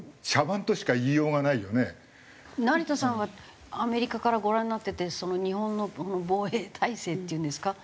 成田さんはアメリカからご覧になってて日本の防衛体制っていうんですか？